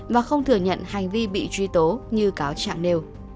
và không thừa nhận hành vi bị truy tố như cáo trạng nêu